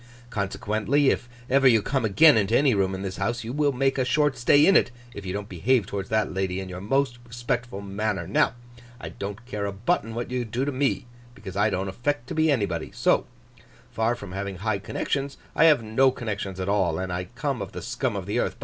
Consequently, if ever you come again into any room in this house, you will make a short stay in it if you don't behave towards that lady in your most respectful manner. Now, I don't care a button what you do to me, because I don't affect to be anybody. So far from having high connections I have no connections at all, and I come of the scum of the earth.